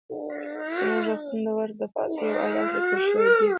زموږ د روغتون د وره د پاسه يو ايت ليکل شوى ديه.